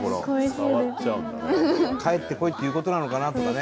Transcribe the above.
帰ってこいっていうことなのかなとかね。